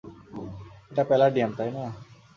এটা প্যালাডিয়াম, তাই না?